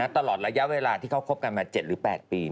ตลอดระยะเวลาที่เขาคบกันมา๗หรือ๘ปี